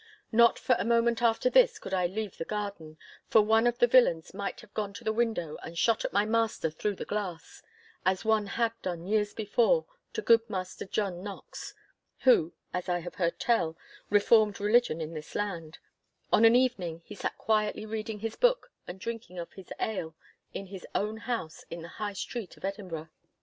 Not for a moment after this could I leave the garden, for one of the villains might have gone to the window and shot at my master through the glass—as one had done years before to good Maister John Knox (who, as I have heard tell, reformed religion in this land) on an evening he sat quietly reading his book and drinking of his ale in his own house in the High Street of Edinburgh.